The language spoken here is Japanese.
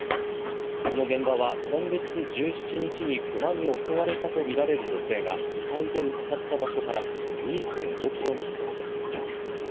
この現場は、今月１７日にクマに襲われたとみられる女性が遺体で見つかった場所から２．５キロのところです。